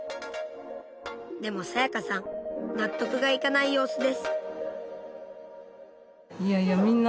でも彩夏さん納得がいかない様子です。